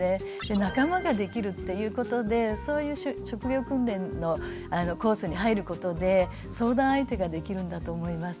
仲間ができるっていうことでそういう職業訓練のコースに入ることで相談相手ができるんだと思います。